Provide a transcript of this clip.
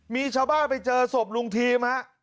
มีชาวบ้านไปเจอศพลุงทีมฮะ